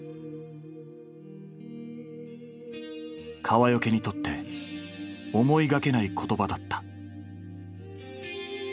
川除にとって思いがけない言葉だった。